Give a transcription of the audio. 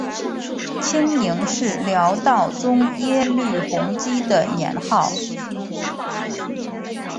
清宁是辽道宗耶律洪基的年号。